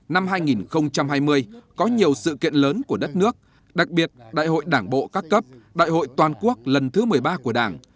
năm hai nghìn hai mươi có nhiều sự kiện lớn của đất nước đặc biệt đại hội đảng bộ các cấp đại hội toàn quốc lần thứ một mươi ba của đảng